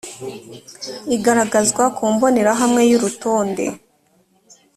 igaragazwa ku mbonerahamwe y urutonde